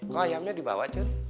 kok ayamnya di bawah cut